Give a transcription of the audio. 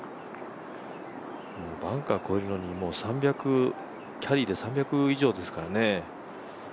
バンカー越えるのにキャリーで３００以上ですからね。